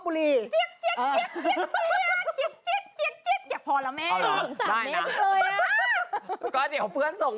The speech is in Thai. ก็เดี๋ยวเพื่อนส่งมูมมาเดี๋ยวมึงไฮราฟ